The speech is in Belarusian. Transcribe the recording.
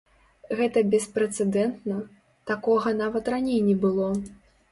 Гэта беспрэцэдэнтна, такога нават раней не было.